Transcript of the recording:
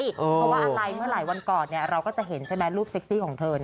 เพราะว่าอะไรเมื่อหลายวันก่อนเราก็จะเห็นใช่ไหมรูปเซ็กซี่ของเธอ